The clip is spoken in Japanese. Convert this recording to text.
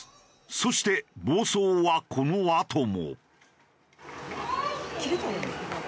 そして暴走はこのあとも。